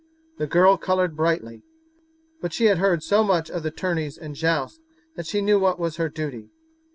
The girl coloured brightly; but she had heard so much of tourneys and jousts that she knew what was her duty.